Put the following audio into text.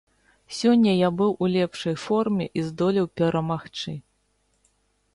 Сёння я быў у лепшай форме і здолеў перамагчы.